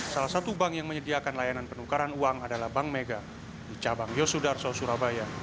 salah satu bank yang menyediakan layanan penukaran uang adalah bank mega di cabang yosudarso surabaya